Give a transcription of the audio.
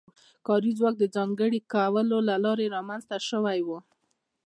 د کاري ځواک د ځانګړي کولو له لارې رامنځته شوې وه.